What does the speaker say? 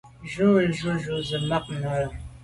Jù jujù ze màa na là.